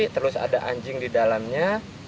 terus ada anjing di dalamnya